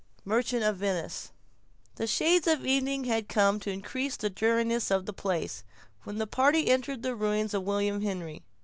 —Merchant of Venice The shades of evening had come to increase the dreariness of the place, when the party entered the ruins of William Henry.